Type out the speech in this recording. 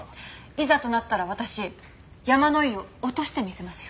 いざとなったら私山野井を落としてみせますよ。